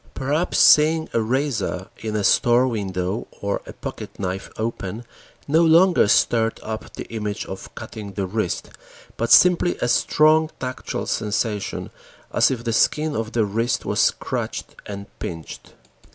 Perhaps seeing a razor in a store window or a pocket knife open no longer stirred up the image of cutting the wrist, but simply a strong tactual sensation, as if the skin of the wrist was scratched and pinched.